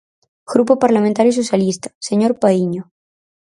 Grupo Parlamentario Socialista, señor Paíño.